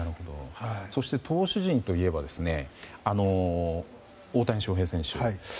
そして、投手陣といえば大谷翔平選手。